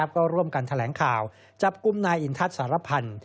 ก็ร่วมกันแถลงข่าวจับกลุ่มนายอินทัศน์สารพันธ์